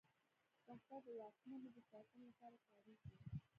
وسله د واکمنو د ساتنې لپاره کارېږي